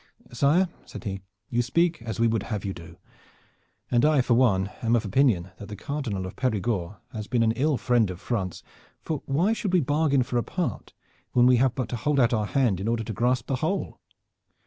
"Sire," said he, "you speak as we would have you do, and I for one am of opinion that the Cardinal of Perigord has been an ill friend of France, for why should we bargain for a part when we have but to hold out our hand in order to grasp the whole?